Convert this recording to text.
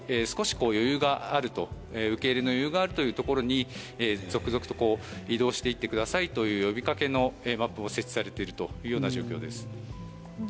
少し受け入れの余裕があるというところに続々と移動していってくださいという呼びかけのマップを設置されているというような状況です。